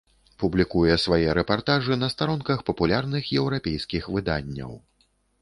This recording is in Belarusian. Публікуе свае рэпартажы на старонках папулярных еўрапейскіх выданняў.